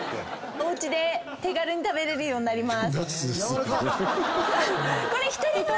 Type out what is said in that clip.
おうちで手軽に食べれるようになります。